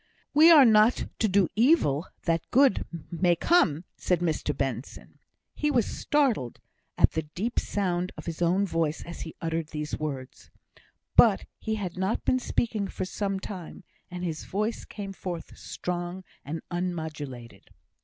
"We are not to do evil that good may come," said Mr Benson. He was startled at the deep sound of his own voice as he uttered these words; but he had not been speaking for some time, and his voice came forth strong and unmodulated.